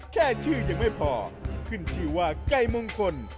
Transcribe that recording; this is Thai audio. แค่ชื่อยังไม่พอขึ้นชื่อว่าไก่มงคล